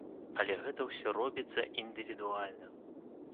Але гэта ўсё робіцца індывідуальна.